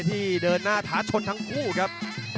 ที่เดินหน้าท้าชนทั้งคู่ครับ